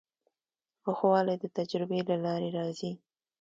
پوخوالی د تجربې له لارې راځي.